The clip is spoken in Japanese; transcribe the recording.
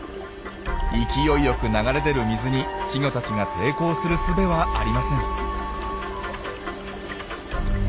勢いよく流れ出る水に稚魚たちが抵抗するすべはありません。